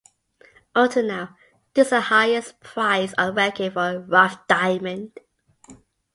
Until now, this is the highest price on record for a rough diamond.